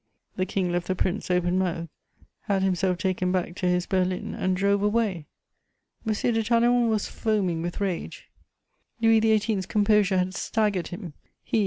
The King left the prince open mouthed, had himself taken back to his berlin, and drove away. M. de Talleyrand was foaming with rage; Louis XVIII.'s composure had staggered him: he, M.